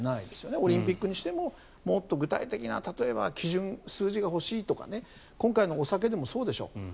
オリンピックにしてももっと具体的な基準、数字が欲しいとか今回のお酒でもそうでしょう。